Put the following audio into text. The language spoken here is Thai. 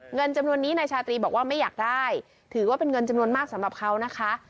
เงินจำนวนนี้นายชาตรีบอกว่าไม่อยากได้ถือว่าเป็นเงินจำนวนมากสำหรับเขานะคะ